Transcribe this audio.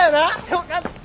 よかった！